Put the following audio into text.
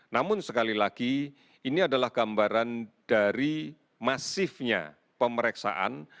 namun sekali lagi ini adalah gambaran dari masifnya pemeriksaan